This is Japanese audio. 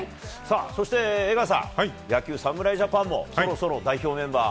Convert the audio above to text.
そして江川さん野球、侍ジャパンもそろそろ代表メンバーが